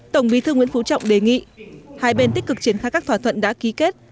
tổng bí thư nguyễn phú trọng đề nghị hai bên tích cực triển khai các thỏa thuận đã ký kết